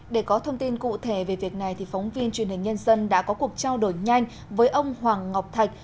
để có thông tin cụ thể về việc này phóng viên truyền hình nhân dân đã có cuộc trao đổi nhanh với ông hoàng ngọc thạch